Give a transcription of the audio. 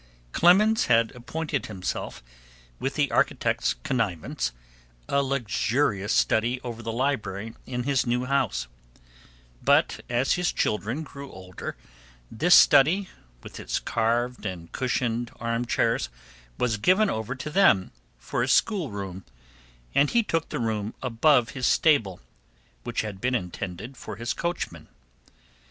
Clemens had appointed himself, with the architect's connivance, a luxurious study over the library in his new house, but as his children grew older this study, with its carved and cushioned arm chairs, was given over to them for a school room, and he took the room above his stable, which had been intended for his coachman.